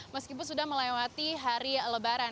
meskipun sudah melewati hari lebaran